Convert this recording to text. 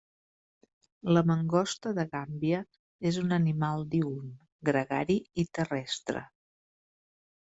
La mangosta de Gàmbia és un animal diürn, gregari i terrestre.